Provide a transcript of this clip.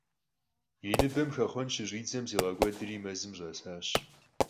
И ныбэм хэхъуэн щыщӀидзэм, зигъэкӀуэдри, мэзым щӀэсащ.